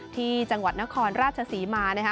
ที่จังหวัดนครราชศรีมานะคะ